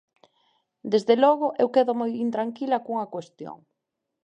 Desde logo, eu quedo moi intranquila cunha cuestión.